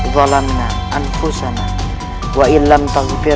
dalam juga knowle kata jaya